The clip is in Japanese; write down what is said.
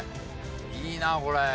いいなこれ。